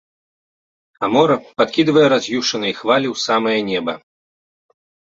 А мора падкідвае раз'юшаныя хвалі ў самае неба.